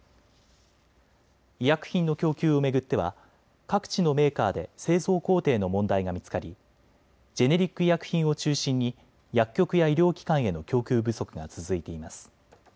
医薬品の供給を巡っては各地のメーカーで製造工程の問題が見つかりジェネリック医薬品を中心に薬局や医療機関への供給不足が続いています。